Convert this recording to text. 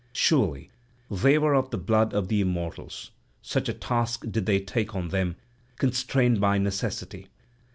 Surely they were of the blood of the immortals, such a task did they take on them, constrained by necessity.